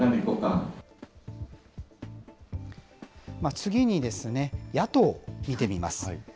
次に野党を見てみます。